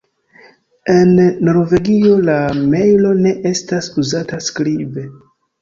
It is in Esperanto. En Norvegio la mejlo ne estas uzata skribe.